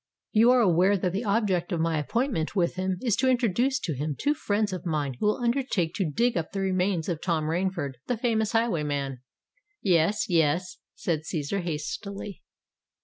"You are aware that the object of my appointment with him, is to introduce to him two friends of mine who will undertake to dig up the remains of Tom Rainford, the famous highwayman." "Yes—yes," said Cæsar hastily.